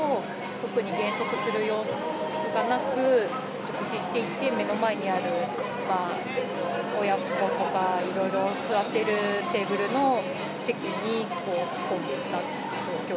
特に減速する様子とかなく、直進していって、目の前にある親子とかがいろいろ座っているテーブルの席に突っ込